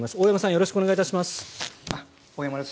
よろしくお願いします。